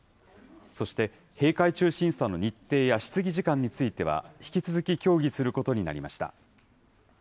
そして閉会中審査の日程や質疑時間については、引き続き協議することになりました。